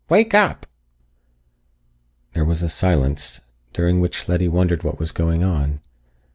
Wake up!" There was a silence, during which Letty wondered what was going on.